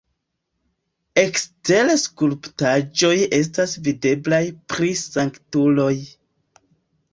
Ekstere skulptaĵoj estas videblaj pri sanktuloj.